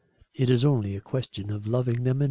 It is only a question of loving them enough.